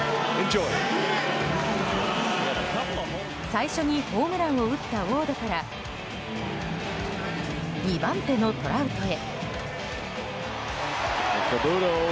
最初にホームランを打ったウォードから２番手のトラウトへ。